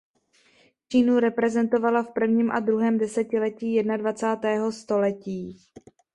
Čínu reprezentovala v prvním a druhém desetiletí jednadvacátého století.